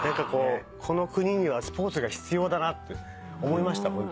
この国にはスポーツが必要だなって思いましたホントに。